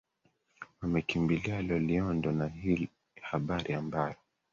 wamekimbilia loliondo ni hii habari ambayo